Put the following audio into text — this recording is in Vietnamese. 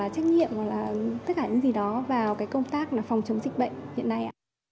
trách nhiệm và tất cả những gì đó vào công tác phòng chống dịch bệnh hiện nay